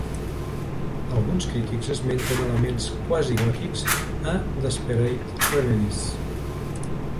Alguns crítics esmenten elements "quasi gòtics" a "Desperate Remedies".